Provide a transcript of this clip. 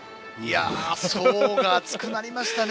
層が厚くなりましたね。